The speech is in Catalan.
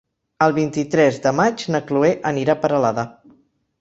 El vint-i-tres de maig na Cloè anirà a Peralada.